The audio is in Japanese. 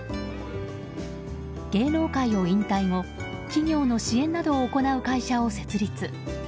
芸能界を引退後企業の支援などを行う会社を設立。